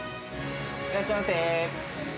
いらっしゃいませ。